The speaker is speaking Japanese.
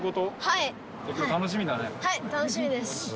はい楽しみです！